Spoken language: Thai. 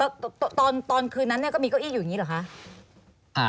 แล้วตอนคืนนั้นเนี่ยก็มีเก้าอี้อยู่อย่างนี้เหรอคะ